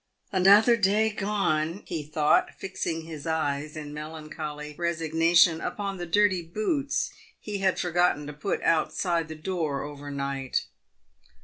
"Another day gone!" he thought, fixing his eyes in melancholy resignation upon the dirty boots he had forgotten to put outside the door overnight.